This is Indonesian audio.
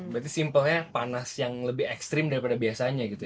berarti simpelnya panas yang lebih ekstrim daripada biasanya gitu